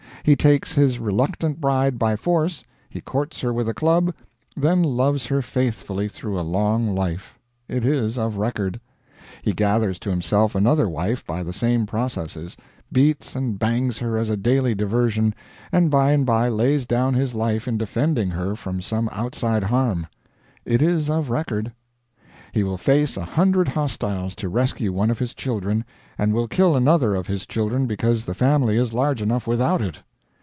He takes his reluctant bride by force, he courts her with a club, then loves her faithfully through a long life it is of record. He gathers to himself another wife by the same processes, beats and bangs her as a daily diversion, and by and by lays down his life in defending her from some outside harm it is of record. He will face a hundred hostiles to rescue one of his children, and will kill another of his children because the family is large enough without it.